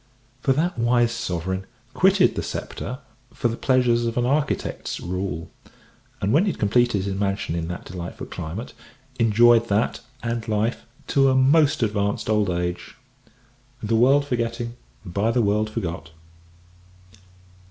For that wise Sovereign quitted the sceptre for the pleasures of an architect's rule; and, when he had completed his mansion in that delightful climate, enjoyed that, and life, to a most advanced old age "The world forgetting, by the world forgot."